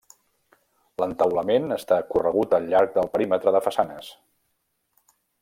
L'entaulament està corregut al llarg del perímetre de façanes.